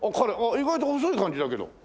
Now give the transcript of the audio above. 意外と細い感じだけど。